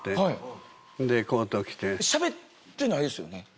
しゃべってないですよね？